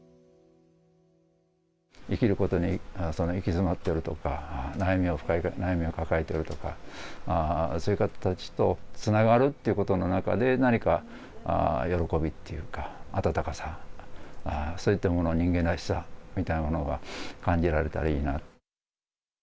生きることに行き詰ってるとか、悩みを抱えているとか、そういう方たちとつながるっていうことの中で、何か喜びっていうか、温かさ、そういったもの、人間らしさみたいなものが感じられたらいいな。